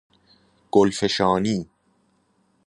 گلفشانی